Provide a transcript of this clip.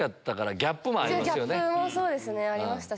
ギャップもそうですねありましたし。